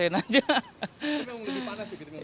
tapi emang lebih panas gitu